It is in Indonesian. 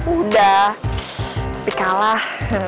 udah tapi kalah